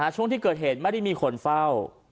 ช่วงที่เกิดเหตุไม่ได้มีคนเฝ้า